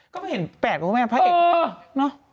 ก็ไม่เห็นแปดครับพระเอก